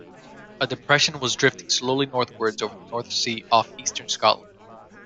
A depression was drifting slowly northwards over the North Sea off eastern Scotland.